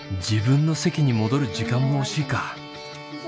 自分の席に戻る時間も惜しいか。